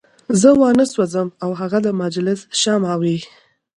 زه وانه سوځم او هغه د مجلس شمع وي.